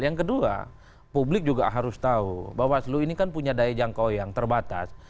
yang kedua publik juga harus tahu bawaslu ini kan punya daya jangkau yang terbatas